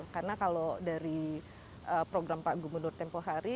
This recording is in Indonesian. karena kalau dari program pak gubernur tempohari